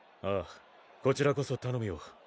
こちらこそ頼むよＲＯＸ。